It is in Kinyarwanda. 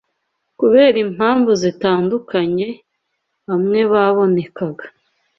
kubera impamvu zitandukanye, bamwe babonekaga